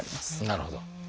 なるほど。